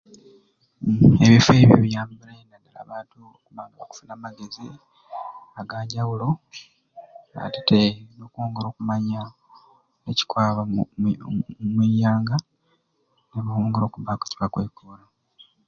Ebifo ebyo biyambire abantu okufuna amagezi aganjawulo ate te okwongera okumanya ekikwaaba omu mwi mu ianga nibongeraku okubbaaku kibakwegeramu